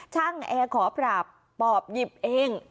แอร์ขอปราบปอบหยิบเอง